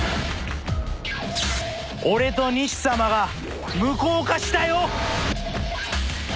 俺と西さまが無効化したよ。